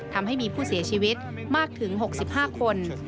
ทำให้มีผู้เสียชีวิตมากถึง๖๕คน